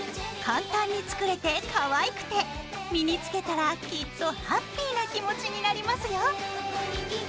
簡単に作れてかわいくて身に着けたらきっとハッピーな気持ちになりますよ！